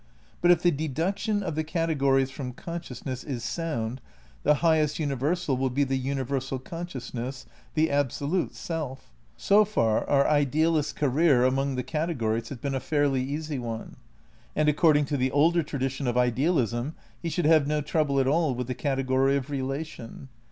But if the deduction of the VI RECONSTRUCTION OF IDEALISM 235 categories from consciousness is sound, the highest universal will be the univeral consciousness, the abso lute Self. So far, our idealist's career among the categories has been a fairly easy one. And according to the older tradition of idealism he should have no trouble at all with the category of Relation.